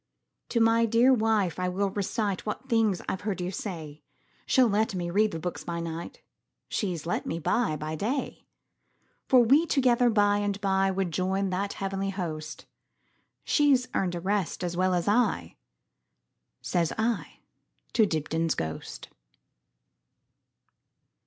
"To my dear wife will I reciteWhat things I 've heard you say; She 'll let me read the books by nightShe 's let me buy by day. For we together by and byWould join that heavenly host; She 's earned a rest as well as I,"Says I to Dibdin's ghost.